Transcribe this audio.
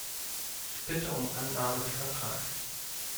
Ich bitte um Annahme des Antrags.